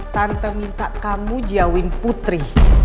tante minta kamu jauhin putri